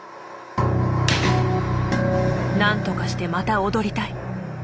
何とかしてまた踊りたい。